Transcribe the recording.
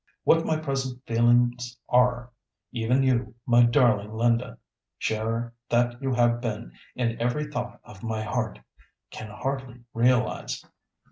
"What my present feelings are, even you, my darling Linda—sharer that you have ever been in every thought of my heart—can hardly realise.